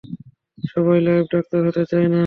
সবার লাইফে ডাক্তার হতে চায় না!